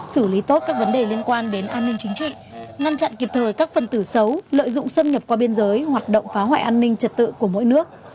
xử lý tốt các vấn đề liên quan đến an ninh chính trị ngăn chặn kịp thời các phân tử xấu lợi dụng xâm nhập qua biên giới hoạt động phá hoại an ninh trật tự của mỗi nước